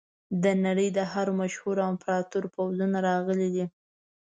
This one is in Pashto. د نړۍ د هر مشهور امپراتور پوځونه راغلي دي.